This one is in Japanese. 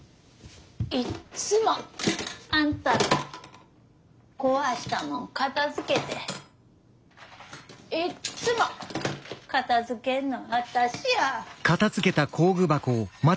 いっつもあんたの壊したもん片づけていっつも片づけんの私や。